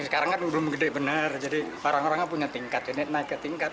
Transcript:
sekarang kan belum gede benar jadi orang orangnya punya tingkat unit naik ke tingkat